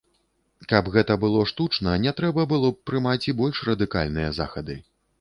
Каб гэта было штучна, не трэба было б прымаць і больш радыкальныя захады.